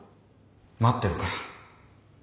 待ってるから。